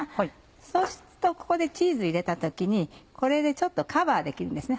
そうするとここでチーズ入れた時にこれでちょっとカバーできるんですね。